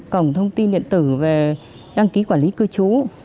cổng thông tin điện tử về đăng ký quản lý cư trú